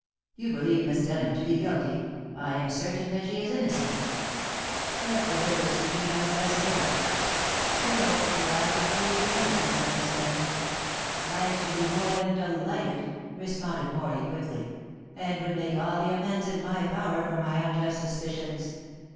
You believe Miss Denham to be guilty. I am certain that she is innocent. Let the difference between us rest there. Still, if I could prove the innocence of Miss Denham " "I should be more than delighted," responded Morley quickly, "and would make all the amends in my power for my unjust suspicions.